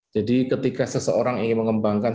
jadi ketika seseorang ingin mengembangkan